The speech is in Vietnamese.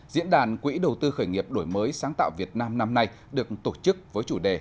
diễn đàn quỹ đầu tư khởi nghiệp đổi mới sáng tạo việt nam năm nay được tổ chức với chủ đề